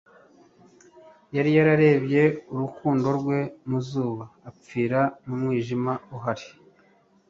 Yari yararebye urukundo rwe mu zuba, apfira mu mwijima uhari.